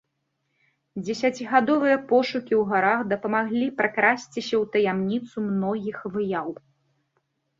Дзесяцігадовыя пошукі ў горах дапамаглі пракрасціся ў таямніцу многіх выяў.